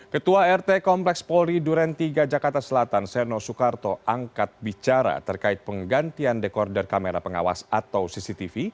ketua rt kompleks polri duren tiga jakarta selatan seno soekarto angkat bicara terkait penggantian dekorder kamera pengawas atau cctv